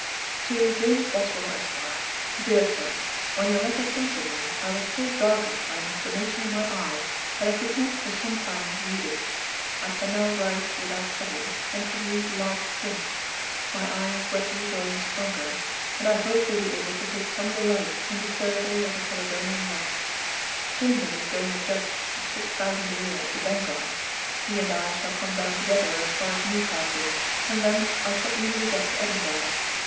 'TO JAMES BOSWELL, ESQ. 'DEAR SIR, 'When your letter came to me, I was so darkened by an inflammation in my eye, that I could not for some time read it. I can now write without trouble, and can read large prints. My eye is gradually growing stronger; and I hope will be able to take some delight in the survey of a Caledonian loch. 'Chambers is going a Judge, with six thousand a year, to Bengal. He and I shall come down together as far as Newcastle, and thence I shall easily get to Edinburgh.